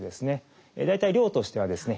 大体量としてはですね